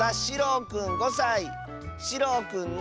しろうくんの。